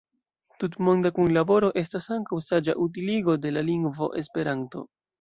Tutmonda kunlaboro estas ankaŭ saĝa utiligo de la lingvo Esperanto.